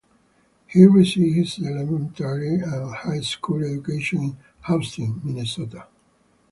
He received his elementary and high school education in Austin, Minnesota.